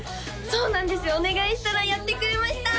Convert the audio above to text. そうなんですよお願いしたらやってくれました！